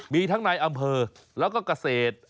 มีทั้งในอำเภอแล้วก็เกษตร